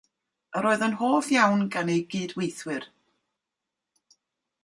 Yr oedd yn hoff iawn gan ei gydweithwyr.